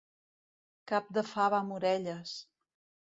Cap de fava amb orelles!